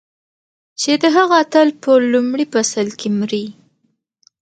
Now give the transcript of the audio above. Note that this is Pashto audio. چې د هغه اتل په لومړي فصل کې مري.